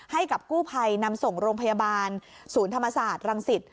ให้กับกู้ภัยนำส่งโรงพยาบาลศูนย์ธรรมศาสตร์รังสิต